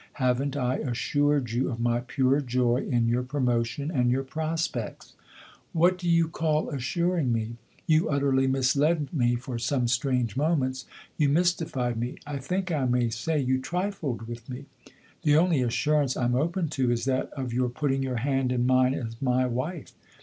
Haven't I assured you of my pure joy in your pro motion and your prospects ?"" What do you call assuring me ? You utterly misled me for some strange moments ; you mysti fied me; I think I may say you trifled with me. The only assurance I'm open to is that of your putting your hand in mine as my wife.